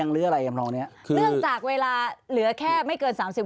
เนื่องจากเวลาเหลือแค่ไม่เกิน๓๐วินาที